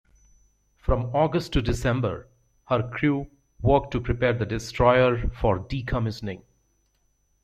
From August to December, her crew worked to prepare the destroyer for decommissioning.